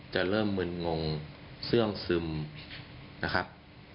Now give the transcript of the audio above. จะเริ่มมึนงงเสื้องซึมนะครับ